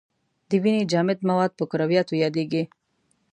د وینې جامد مواد په کرویاتو یادیږي.